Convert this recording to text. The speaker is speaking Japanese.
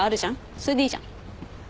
それでいいじゃん。